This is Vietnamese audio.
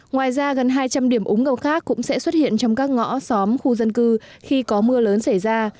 ngoài ra gần hai trăm linh điểm úng ngập khác cũng sẽ xuất hiện trong các ngõ xóm khu dân cư khi có mưa lớn xảy ra